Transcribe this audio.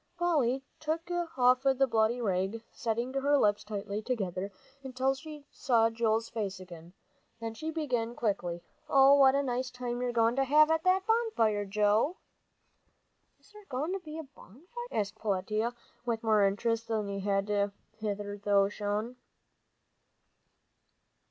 Polly took off the bloody rag, setting her lips tightly together, until she saw Joel's face again. Then she began quickly, "Oh, what a nice time you're goin' to have at the bonfire, Joe!" "Is there goin' to be a bonfire?" asked Peletiah, with more interest than he had hitherto shown.